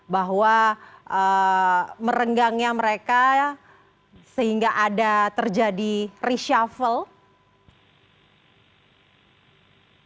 bahwa merenggangnya mereka sehingga ada terjadi reshuffle